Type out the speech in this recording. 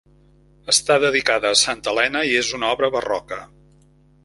Està dedicada a Santa Elena i és una obra barroca.